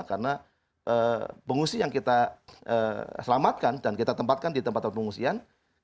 karena pengungsi yang kita selamatkan dan kita tempatkan di tempat pengungsian kita layani mereka dengan kemampuan